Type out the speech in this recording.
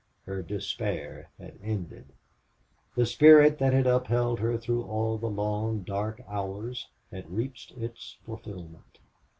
Her despair had ended. The spirit that had upheld her through all the long, dark hours had reached its fulfilment.